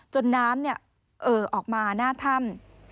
น้ำเอ่อออกมาหน้าถ้ำ